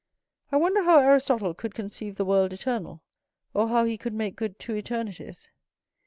I wonder how Aristotle could conceive the world eternal, or how he could make good two eternities.